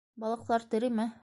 Балыҡтар тереме?